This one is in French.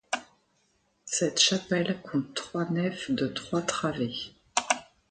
Cette chapelle compte trois nefs de trois travées.